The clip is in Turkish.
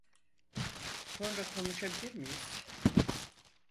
Sonra konuşabilir miyiz?